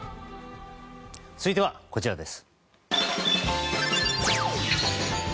続いてはこちらです。